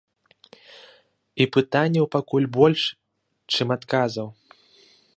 І пытанняў пакуль больш, чым адказаў.